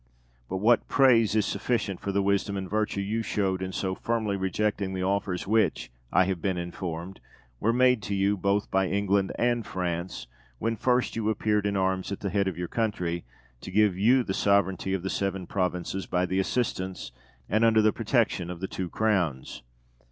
But what praise is sufficient for the wisdom and virtue you showed in so firmly rejecting the offers which, I have been informed, were made to you, both by England and France, when first you appeared in arms at the head of your country, to give you the sovereignty of the Seven Provinces by the assistance and under the protection of the two Crowns!